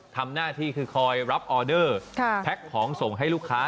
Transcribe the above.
ทำหน้าที่คือคอยรับออเดอร์แพ็คของส่งให้ลูกค้า